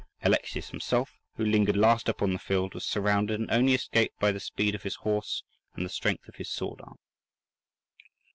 Alexius himself, who lingered last upon the field, was surrounded, and only escaped by the speed of his horse and the strength of his sword arm.